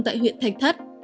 tại huyện thạch thất